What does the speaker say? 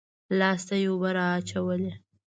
لاس ته يې اوبه رااچولې.